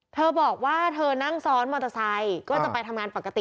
เธอบอกว่าเธอนั่งซ้อนมอเตอร์ไซค์ก็จะไปทำงานปกติ